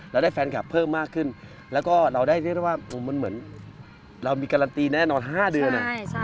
เราได้แฟนคลับเพิ่มมากขึ้นแล้วก็เรามีการันตีแน่นอน๕เดือน